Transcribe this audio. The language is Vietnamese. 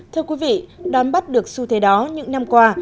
thưa quý vị đón bắt được xu thế đó những năm qua